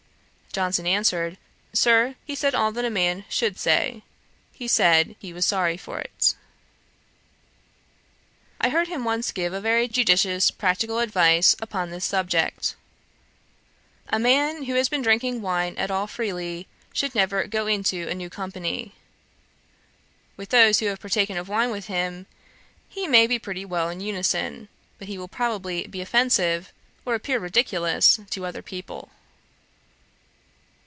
Johnson answered, 'Sir, he said all that a man should say: he said he was sorry for it.' I heard him once give a very judicious practical advice upon this subject: 'A man, who has been drinking wine at all freely, should never go into a new company. With those who have partaken of wine with him, he may be pretty well in unison; but he will probably be offensive, or appear ridiculous, to other people.'